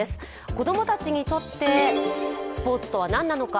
子供たちにとってスポーツとは何なのか。